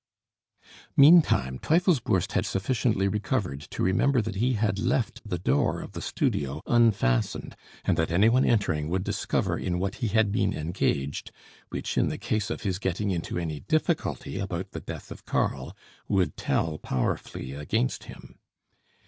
Meantime, Teufelsbürst had sufficiently recovered to remember that he had left the door of the studio unfastened, and that any one entering would discover in what he had been engaged, which, in the case of his getting into any difficulty about the death of Karl, would tell powerfully against him.